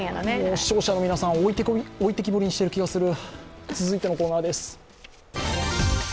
視聴者の皆さん置いてけぼりにしてる気がする。